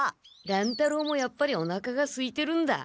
乱太郎もやっぱりおなかがすいてるんだ。